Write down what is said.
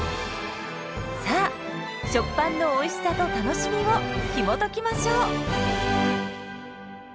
さあ「食パン」のおいしさと楽しみをひもときましょう！